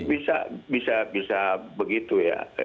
mungkin bisa begitu ya